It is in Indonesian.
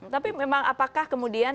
tapi memang apakah kemudian